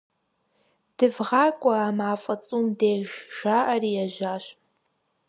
ДывгъакӀуэ, а мафӀэ цӀум деж, - жаӀэри ежьащ.